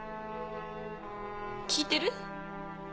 「聞いてる？」